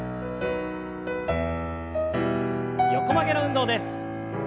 横曲げの運動です。